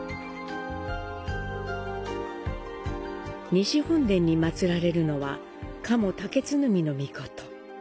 西本殿に祀られるのは、賀茂建角身命。